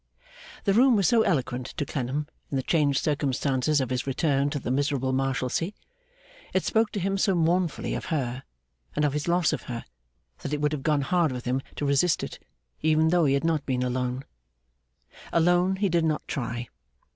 The room was so eloquent to Clennam in the changed circumstances of his return to the miserable Marshalsea; it spoke to him so mournfully of her, and of his loss of her; that it would have gone hard with him to resist it, even though he had not been alone. Alone, he did not try.